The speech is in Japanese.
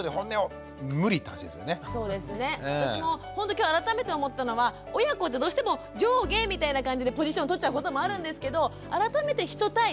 今日改めて思ったのは親子ってどうしても上下みたいな感じでポジションとっちゃうこともあるんですけど改めて人対人なんだなって。